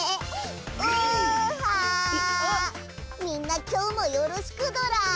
みんな今日もよろしくドラ。